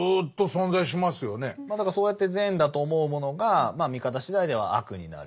だからそうやって善だと思うものが見方次第では悪になる。